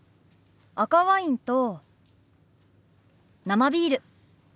赤ワインと生ビール。